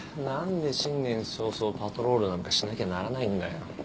何で新年早々パトロールなんかしなきゃならないんだよ。